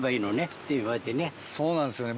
そうなんですよね